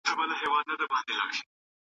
نوکان مو باید لنډ وي.